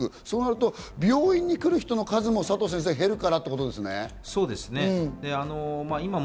そうなると病院に来る人の数も減るからってことですね、佐藤先生。